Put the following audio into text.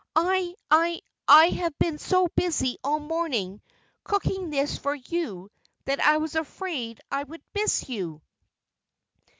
"I I I have been so busy all morning cooking this for you that I was afraid I would miss you."